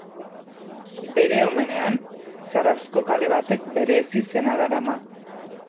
Bere omenean, Zarauzko kale batek bere ezizena darama.